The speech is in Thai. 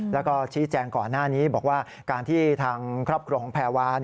แล้วก็ชี้แจงก่อนหน้านี้บอกว่าการที่ทางครอบครัวของแพรวา